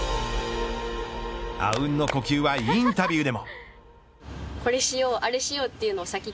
あうんの呼吸はインタビューでも。